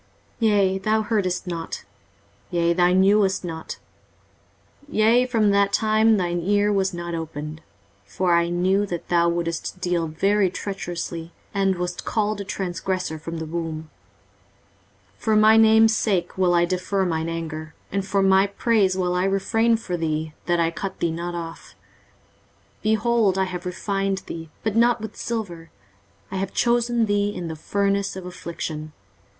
23:048:008 Yea, thou heardest not; yea, thou knewest not; yea, from that time that thine ear was not opened: for I knew that thou wouldest deal very treacherously, and wast called a transgressor from the womb. 23:048:009 For my name's sake will I defer mine anger, and for my praise will I refrain for thee, that I cut thee not off. 23:048:010 Behold, I have refined thee, but not with silver; I have chosen thee in the furnace of affliction.